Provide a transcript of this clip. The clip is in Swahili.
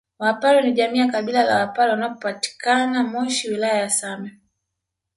Wapare ni jamii ya kabila la wapare wanapatikana moshi wilaya ya same